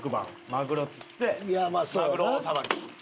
マグロ釣ってマグロをさばきます。